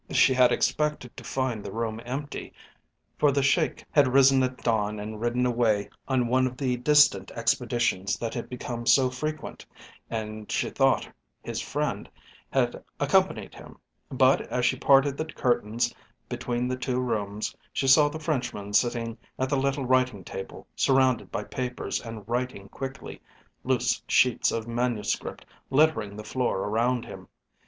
She had expected to find the room empty, for the Sheik had risen at dawn and ridden away on one of the distant expeditions that had become so frequent, and she thought his friend had accompanied him, but as she parted the curtains between the two rooms she saw the Frenchman sitting at the little writing table surrounded by papers and writing quickly, loose sheets of manuscript littering the floor around him.